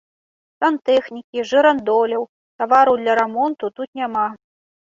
Сантэхнікі, жырандоляў, тавараў для рамонту тут няма.